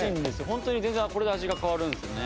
ホントに全然これで味が変わるんですよね。